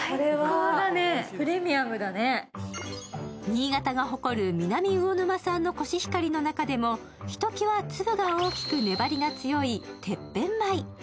新潟が誇る南魚沼産のコシヒカリの中でもひときわ粒が大きく粘りが強いてっぺん米。